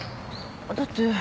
だって。